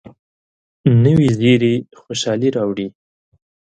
نوې زیري خوشالي راوړي